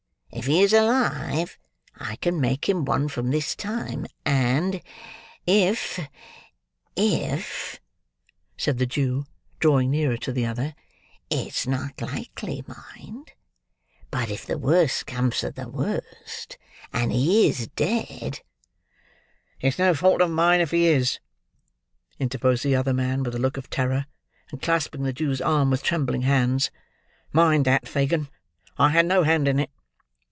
If he is alive, I can make him one from this time; and, if—if—" said the Jew, drawing nearer to the other,—"it's not likely, mind,—but if the worst comes to the worst, and he is dead—" "It's no fault of mine if he is!" interposed the other man, with a look of terror, and clasping the Jew's arm with trembling hands. "Mind that. Fagin! I had no hand in it.